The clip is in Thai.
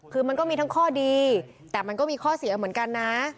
คือมันก็มีทั้งข้อดีแต่มันก็มีข้อเสียเหมือนกันนะ